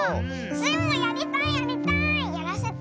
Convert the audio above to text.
スイもやりたいやりたい！